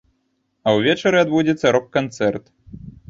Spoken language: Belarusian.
А ўвечары адбудзецца рок-канцэрт.